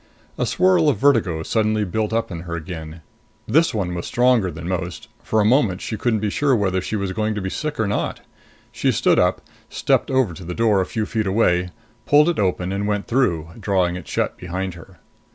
A swirl of vertigo suddenly built up in her again. This one was stronger than most; for a moment she couldn't be sure whether she was going to be sick or not. She stood up, stepped over to the door a few feet away, pulled it open and went through, drawing it shut behind her.